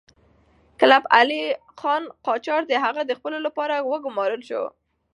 کلب علي خان قاجار د هغه د ځپلو لپاره وګمارل شو.